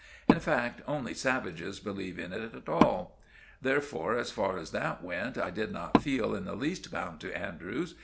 In fact, only savages believe in it at all. Therefore, as far as that went, I did not feel in the least bound to Andrews.